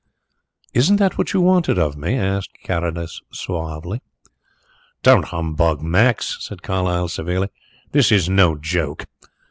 "Isn't that what you wanted of me?" asked Carrados suavely. "Don't humbug, Max," said Carlyle severely. "This is no joke."